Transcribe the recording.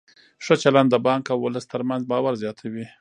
ښه چلند د بانک او ولس ترمنځ باور زیاتوي.